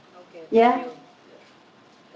setelah kemarin ada